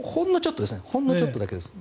ほんのちょっとだけです。